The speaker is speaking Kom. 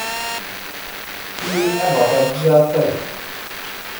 Timi abàs a dzɨ afêyn.